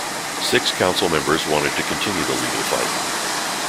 Six council members wanted to continue the legal fight.